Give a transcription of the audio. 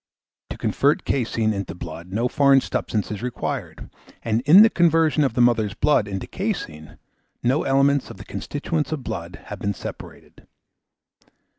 To convert caseine into blood no foreign substance is required, and in the conversion of the mother's blood into caseine, no elements of the constituents of the blood have been separated.